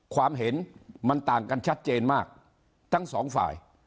ความเห็นมันต่างกันชัดเจนมากทั้งสองฝ่าย